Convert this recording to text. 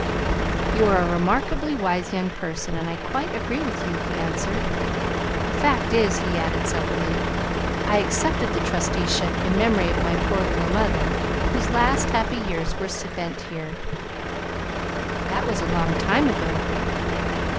"You are a remarkably wise young person and I quite agree with you," he answered; "the fact is," he added soberly, "I accepted the trusteeship in memory of my poor little mother, whose last happy years were spent here." "That was a long time ago!"